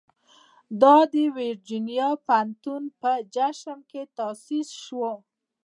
دا د ورجینیا پوهنتون په جشن کې تاسیس شو.